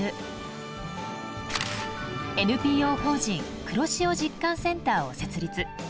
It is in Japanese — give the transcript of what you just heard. ＮＰＯ法人黒潮実感センターを設立。